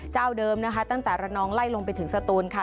เจ้าเดิมนะคะตั้งแต่ระนองไล่ลงไปถึงสตูนค่ะ